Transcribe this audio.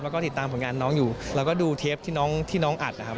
แล้วก็ติดตามผลงานน้องอยู่แล้วก็ดูเทปที่น้องที่น้องอัดนะครับ